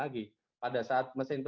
jadi pada saat mesin itu